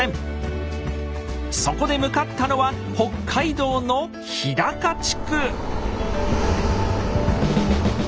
そこで向かったのは北海道の日高地区。